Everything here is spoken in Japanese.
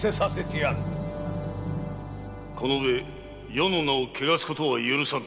このうえ余の名を汚すことは許さぬ。